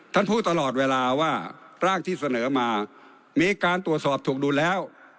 ท่านพูดตลอดเวลาว่าร่างที่เสนอมามีการตรวจสอบถูกดูแล้ว